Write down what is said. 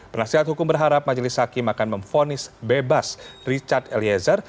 penasihat hukum berharap majelis hakim akan memfonis bebas richard eliezer